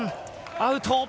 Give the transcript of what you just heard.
アウト。